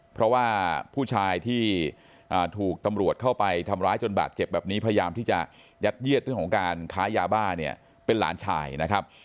เพราะว่าผู้ชายที่ถูกตำรวจเข้าไปทำร้ายจนบาดเจ็บแบบนี้พยายามที่จะยัดเยียดเรื่องของการค้ายาบ้าเนี่ยเป็นหลานชายนะครับ